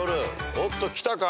おっときたか？